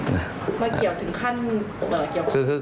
มาเกี่ยวถึงขั้น